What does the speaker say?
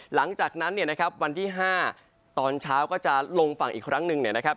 หลังจากนั้นเนี่ยนะครับวันที่๕ตอนเช้าก็จะลงฝั่งอีกครั้งหนึ่งเนี่ยนะครับ